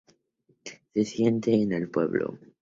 Se siente en el pueblo.